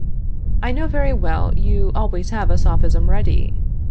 I know very well you always have a sophism ready.